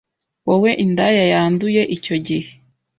Wowe indaya yanduye icyo gihe